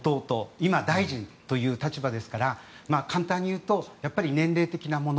今、大臣という立場ですから簡単に言うとやっぱり年齢的なもの